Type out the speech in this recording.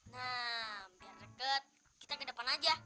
nah biar deket kita ke depan aja